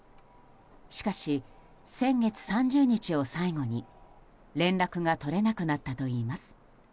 しかし、先月３０日を最後に連絡が取れなくなったといいます。